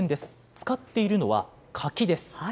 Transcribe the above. つかっているのは柿です。